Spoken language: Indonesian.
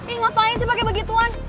eh ngapain sih pakai begituan